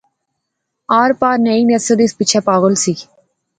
آر پار نئی نسل اس پچھے پاغل سی